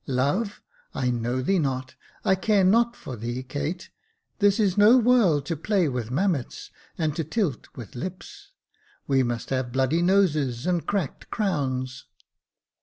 Love ! I know thee not, I care not for thee, Kate : this is no world To play with mammets, and to tilt with lips ; We must have bloody noses and cracked crowns."